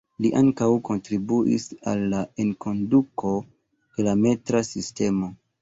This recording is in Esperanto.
Li ankaŭ kontribuis al la enkonduko de la metra sistemo.